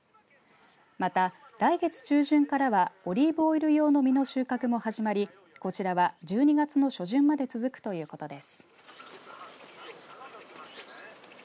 また、来月中旬からはオリーブオイル用の実の収穫も始まりこちらは１２月の初旬まで続くということです。